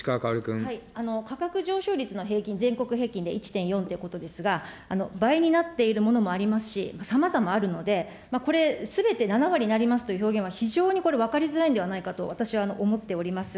価格上昇率の平均、全国平均で１．４ということですが、倍になっているものもありますし、さまざまあるので、これ、すべて７割になりますという表現は非常にこれ、分かりづらいんではないかと、私は思っております。